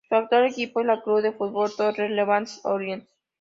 Su actual equipo es la Club de Fútbol Torre Levante Orriols.